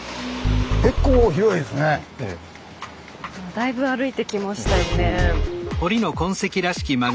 だいぶ歩いてきましたよね。